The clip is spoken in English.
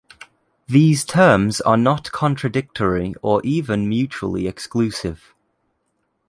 These terms are not contradictory or even mutually exclusive.